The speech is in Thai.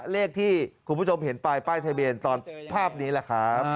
เลขที่คุณผู้ชมเห็นปลายป้ายทะเบียนตอนภาพนี้แหละครับ